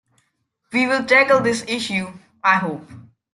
We will tackle this issue, I hope.